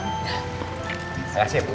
terima kasih bu